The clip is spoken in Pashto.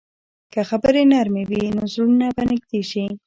که خبرې نرمې وي، نو زړونه به نږدې شي.